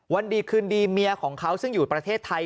วันดีคืนดีเมียของเขาซึ่งอยู่ประเทศไทย